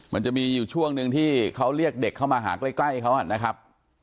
มันจะมีอยู่ช่วงหนึ่งที่เขาเรียกเด็กเข้ามาหาใกล้เขานะครับ